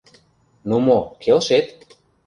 — Ну мо, келшет?